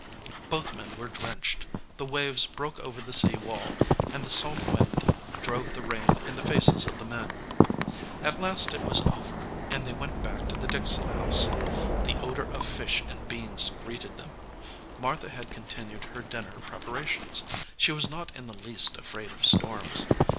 Both men were drenched. The waves broke over the sea wall, and the salt wind drove the rain in the faces of the men. At last it was over, and they went back to the Dickson house. The odor of fish and beans greeted them. Martha had continued her dinner prepara tions. She was not in the least afraid of storms.